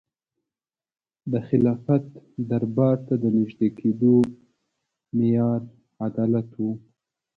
د خلافت دربار ته د نژدې کېدو معیار عدالت و.